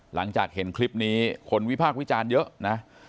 หลังจากเห็นคลิปนี้คนวิพากษ์วิจารณ์เยอะนะ